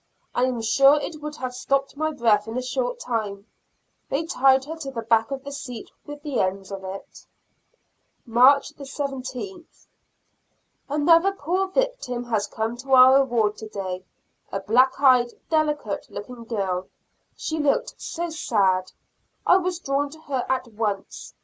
I am sure it would have stopped my breath in a short time; they tied her to the back of the seat with the ends of it. March 17. Another poor victim has come to our ward today a black eyed, delicate looking girl. She looked so sad, I was drawn to her at once.